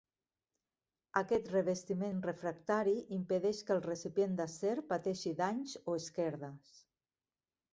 Aquest revestiment refractari impedeix que el recipient d'acer pateixi danys o esquerdes.